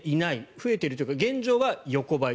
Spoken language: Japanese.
増えているというか現状は横ばい。